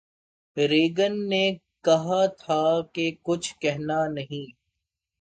Reagan نے کہا تھا کہ کچھ کہنا نہیں